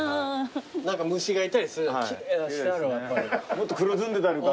もっと黒ずんでたりとか。